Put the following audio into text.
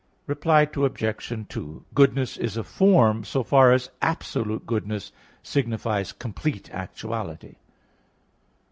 Reply Obj. 2: Goodness is a form so far as absolute goodness signifies complete actuality.